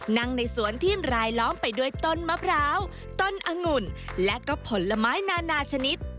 ในสวนที่รายล้อมไปด้วยต้นมะพร้าวต้นองุ่นและก็ผลไม้นานาชนิด